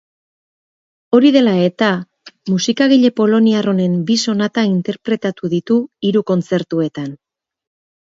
Hori dela eta, musikagile poloniar honen bi sonata interpretatu ditu hiru kontzertuetan.